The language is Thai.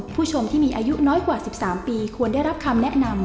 ผู้ชมที่มีอายุน้อยกว่า๑๓ปีควรได้รับคำแนะนำ